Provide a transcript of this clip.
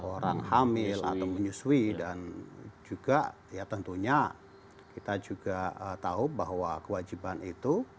orang hamil atau menyusui dan juga ya tentunya kita juga tahu bahwa kewajiban itu